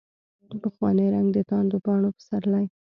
پخوانی رنګ، دتاندو پاڼو پسرلي